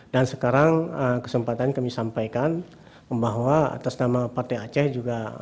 dan sekarang kesempatan kami sampaikan bahwa atas nama partai aceh juga